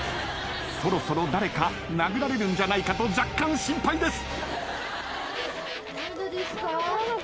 そろそろ誰か殴られるんじゃないかと若干心配です。